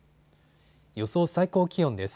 予想最高気温です。